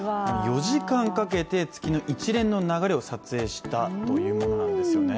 ４時間かけて月の一連の流れを撮影したというものなんですね。